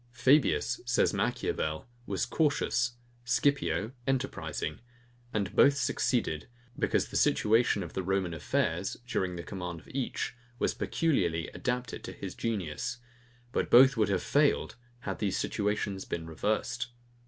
Fabius, says Machiavel, was cautious; Scipio enterprising: And both succeeded, because the situation of the Roman affairs, during the command of each, was peculiarly adapted to his genius; but both would have failed, had these situations been reversed.